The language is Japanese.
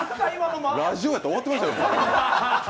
ラジオやったら終わってましたよ。